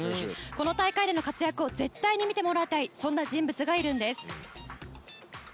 この大会での活躍を絶対に見てもらいたいそんな人物がいるんです。